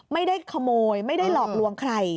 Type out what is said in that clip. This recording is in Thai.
ไม่ได้ขโมยไม่ได้หลอกลวงใคร